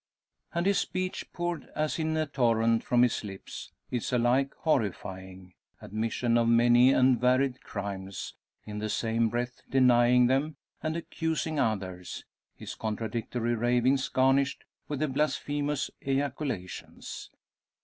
And his speech, poured as in a torrent from his lips, is alike horrifying admission of many and varied crimes; in the same breath denying them and accusing others; his contradictory ravings garnished with blasphemous ejaculations.